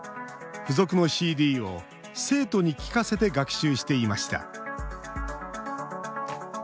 付属のＣＤを生徒に聞かせて学習していました。